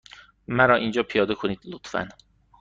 مرا اینجا پیاده کنید، لطفا.